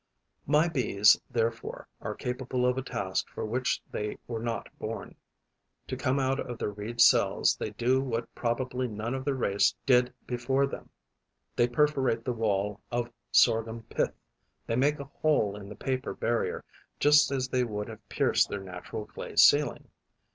My Bees therefore are capable of a task for which they were not born; to come out of their reed cells they do what probably none of their race did before them; they perforate the wall of sorghum pith, they make a hole in the paper barrier, just as they would have pierced their natural clay ceiling.